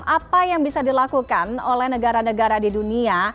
apa yang bisa dilakukan oleh negara negara di dunia